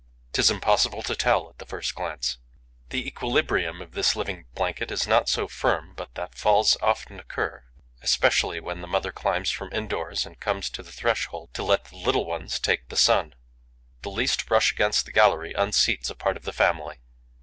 'Tis impossible to tell at the first glance. The equilibrium of this living blanket is not so firm but that falls often occur, especially when the mother climbs from indoors and comes to the threshold to let the little ones take the sun. The least brush against the gallery unseats a part of the family.